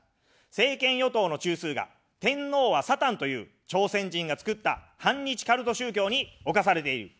政権与党の中枢が天皇はサタンという、朝鮮人が作った反日カルト宗教に侵されている。